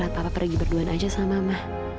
lihat papa pergi berdua aja sama mama